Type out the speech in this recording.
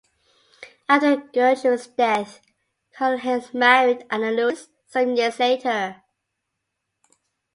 After Gertrud's death, Karlheinz married Anna-Luise some years later.